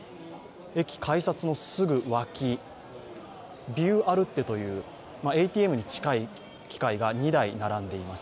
駅改札のすぐ脇、ビューアルッテというＡＴＭに近い機械が２台並んでいます。